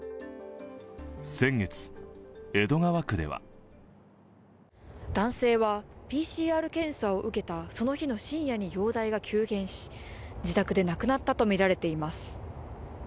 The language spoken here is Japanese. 先月、江戸川区では男性はＰＣＲ検査を受けた、その日に深夜に容体が急変し、自宅で亡くなったとみられています。